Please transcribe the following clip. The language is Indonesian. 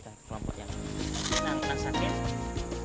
kelompok yang sedang sakit